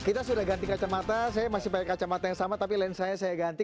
kita sudah ganti kacamata saya masih pakai kacamata yang sama tapi lensanya saya ganti